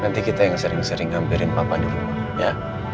nanti kita yang sering sering ngampirin papa di rumah ya